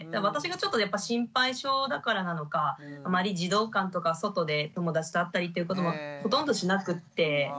私がちょっと心配性だからなのかあまり児童館とか外で友達と会ったりっていうこともほとんどしなくて。